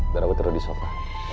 dan aku tidur di sofa